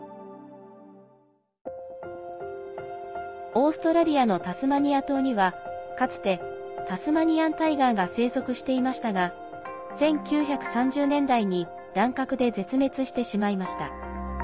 オーストラリアのタスマニア島にはかつてタスマニアン・タイガーが生息していましたが１９３０年代に乱獲で絶滅してしまいました。